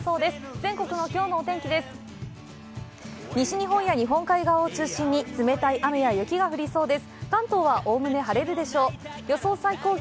全国のきょうのお天気です。